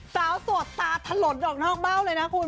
สาวโสดตาถล่นออกนอกเบ้าเลยนะคุณ